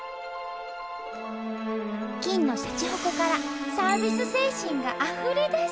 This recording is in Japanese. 金のしゃちほこからサービス精神があふれ出す！